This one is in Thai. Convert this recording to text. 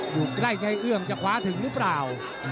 อยู่ใกล้ใจเอื้อมจะคว้าถึงหรือเปล่า